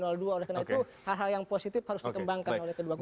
oleh karena itu hal hal yang positif harus dikembangkan oleh kedua kubu